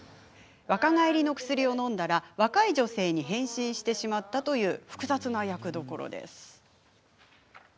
若返りの薬をのんだら若い女性に変身してしまったという複雑な役どころです。